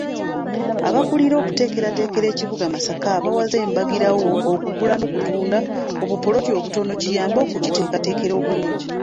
Abakulira okuteekerateekera ekibuga Masaka baweze mbagirawo okugula n'okutunda obupoloti obutono kiyambe okukiteekerateekera obulungi.